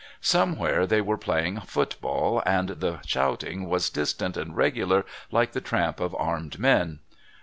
Somewhere they were playing football, and the shouting was distant and regular like the tramp of armed men.